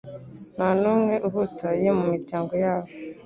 nta n’umwe uhutaye mu miryango yabo